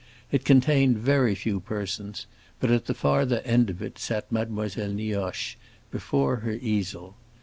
It contained very few persons, but at the farther end of it sat Mademoiselle Nioche, before her easel.